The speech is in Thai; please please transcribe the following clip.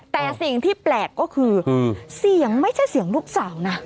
แต่สิ่งที่แปลกก็คือเสียงไม่ใช่เสียงลูกสาวนะ